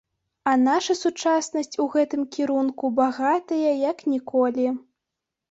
А наша сучаснасць у гэтым кірунку багатая як ніколі.